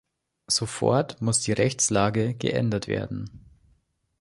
Sofort muss die Rechtslage geändert werden!